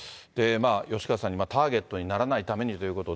吉川さんに、ターゲットにならないためにということで。